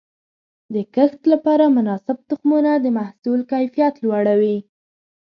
د کښت لپاره مناسب تخمونه د محصول کیفیت لوړوي.